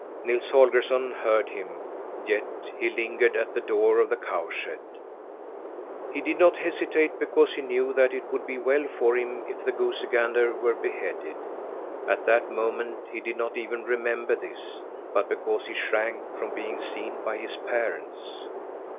Nils Holgersson heard him, yet he lingered at the door of the cow shed. He did not hesitate because he knew that it would be well for him if the goosey gander were beheaded at that moment he did not even remember this but because he shrank from being seen by his parents.